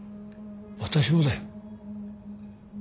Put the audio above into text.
私もだよ。